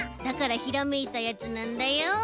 だからひらめいたやつなんだよ。